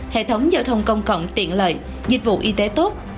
hệ thống giao thông công cộng tiện lợi dịch vụ y tế tốt